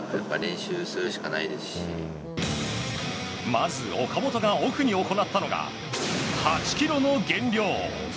まず岡本がオフに行ったのが８ｋｇの減量。